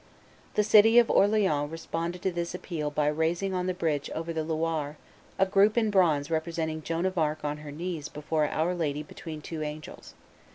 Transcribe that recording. The city of Orleans responded to this appeal by raising on the bridge over the Loire a group in bronze representing Joan of Arc on her knees before Our Lady between two angels.